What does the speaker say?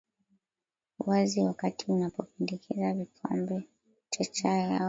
wazi wakati unapopendeza kikombe cha chai au